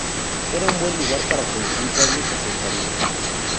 Era buen lugar para construir varios asentamientos.